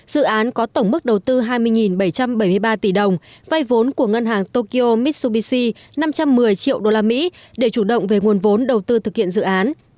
dự án có tổng mức đầu tư hai mươi bảy trăm bảy mươi ba tỷ đồng vay vốn của ngân hàng tokyo mitsubishi năm trăm một mươi triệu usd để chủ động về nguồn vốn đầu tư thực hiện dự án